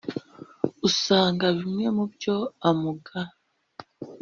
usanga bimwe mu byo amuga